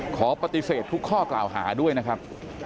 ขอปฏิเสธทุกข้อกล่าวหาด้วยนะครับ